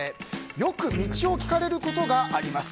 よく道を聞かれることがあります。